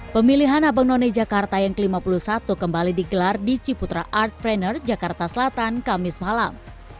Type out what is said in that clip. pemilihan abang none jakarta yang ke lima puluh satu kembali digelar di ciputra art planner jakarta selatan kamis malam